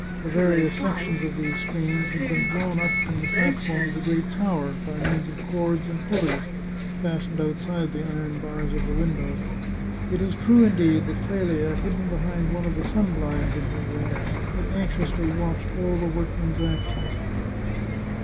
The vari ous sections of these screens had been drawn up from the platform of the great tower, by means of cords and pulleys, fastened outside the iron bars of the windows. It is true, indeed, that Clelia, hidden behind one of the sun blinds in her room, had anxiously watched all the workman's actions.